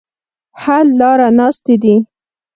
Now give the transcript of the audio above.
حل لاره ناستې دي.